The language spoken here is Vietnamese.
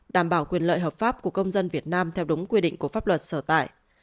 đảm bảo quyền lợi hợp pháp của công dân việt nam theo đúng quy định của pháp luật sở tại